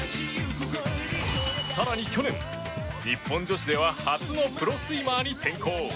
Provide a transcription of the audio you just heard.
更に去年、日本女子では初のプロスイマーに転向。